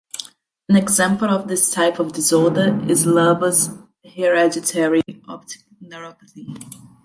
An example of this type of disorder is Leber's hereditary optic neuropathy.